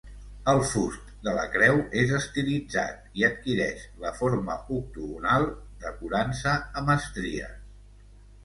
El fust de la creu és estilitzat i adquireix la forma octogonal, decorant-se amb estries.